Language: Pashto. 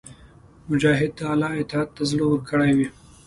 مجاهد د الله اطاعت ته زړه ورکړی وي.